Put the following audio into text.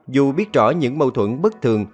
dù biết rõ những mâu thuẫn bất thường